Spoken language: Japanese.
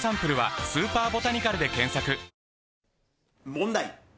問題。